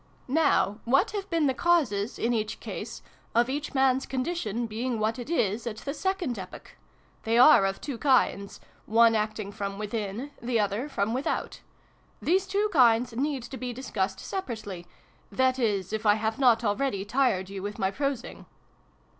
Now what have been the causes, in each case, 122 SYLVIE AND BRUNO CONCLUDED. of each man's condition being what it is at the second epoch ? They are of two kinds one acting from within, the other from without. These two kinds need to be discussed separ ately that is, if I have not already tired you with my prosing